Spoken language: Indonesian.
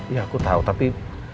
ya aku tahu tapi